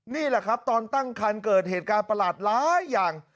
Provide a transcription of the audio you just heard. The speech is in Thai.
นี่แหละครับตอนตั้งคันเกิดเหตุการณ์ประหลาดหลายอย่าง